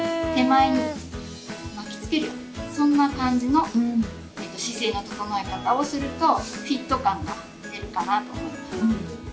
そんな感じの姿勢の整え方をするとフィット感が出るかなと思います。